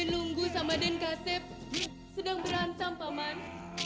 dan lunggu sama dan kasep sedang berancam pak man